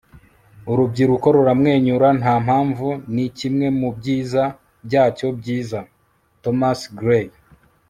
urubyiruko ruramwenyura nta mpamvu. ni kimwe mu byiza byacyo byiza. - thomas gray